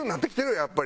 やっぱり。